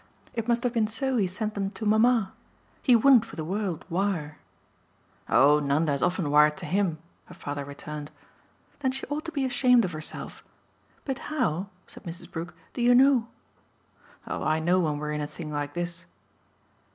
it must have been so he sent them to mamma. He wouldn't for the world wire." "Oh Nanda has often wired to HIM," her father returned. "Then she ought to be ashamed of herself. But how," said Mrs. Brook, "do you know?" "Oh I know when we're in a thing like this."